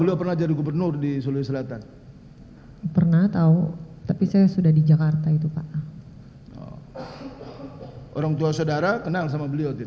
orang tua saudara kenal sama beliau